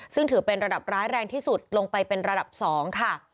ซึ่งถือเป็นระดับร้ายแรงที่สุดลงไปเป็นระดับ๒ค่ะ